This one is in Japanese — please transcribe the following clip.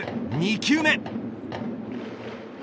２球目。